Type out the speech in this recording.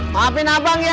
maafin abang ya